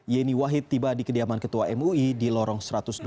yeni wahid tiba di kediaman ketua mui di lorong satu ratus dua belas